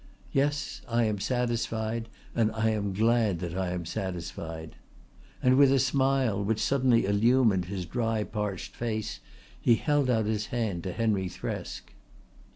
Yes, I am satisfied and I am glad that I am satisfied"; and with a smile which suddenly illumined his dry parched face he held out his hand to Henry Thresk.